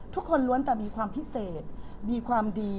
ทุกคนล้วนแต่มีความพิเศษมีความดี